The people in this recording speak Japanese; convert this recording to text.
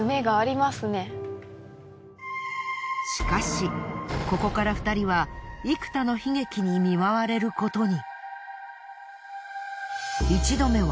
しかしここから２人は幾多の悲劇に見舞われることに。